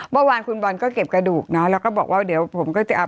เมื่อวานคุณบอลก็เก็บกระดูกเนอะแล้วก็บอกว่าเดี๋ยวผมก็จะเอา